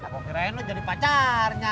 kok kirain lo jadi pacarnya